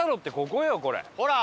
ほら！